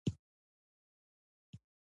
زما کتاب راکړه زموږ کتابونه یوسه.